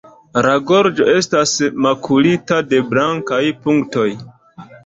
La gorĝo estas makulita de blankaj punktoj.